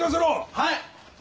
はい！